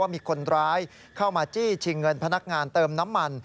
มีคนร้ายเข้ามาจี้ชิงเงินพนักงานเติมน้ำมัน